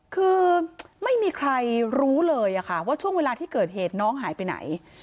คือไม่มีใครรู้เลยค่ะว่าช่วงเวลาที่เกิดเหตุน้องหายไปไหน